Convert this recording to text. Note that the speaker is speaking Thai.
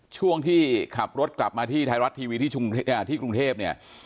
ช่วงที่ขับรถกลับมาที่ไทยรัฐทีวีที่กรุงเทพเนี่ย